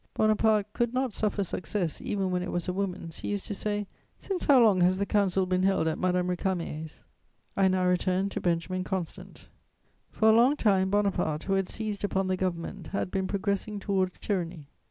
Bonaparte could not suffer success, even when it was a woman's. He used to say: "Since how long has the Council been held at Madame Récamier's?" [Sidenote: General Bernadotte.] I now return to Benjamin Constant: "For a long time, Bonaparte, who had seized upon the government, had been progressing towards tyranny.